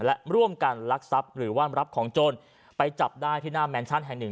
และร่วมกันลักทรัพย์หรือว่ารับของโจรไปจับได้ที่หน้าแมนชั่นแห่งหนึ่ง